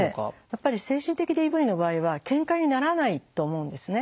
やっぱり精神的ＤＶの場合はケンカにならないと思うんですね。